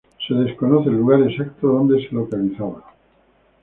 Se desconoce el lugar exacto donde se localizaba.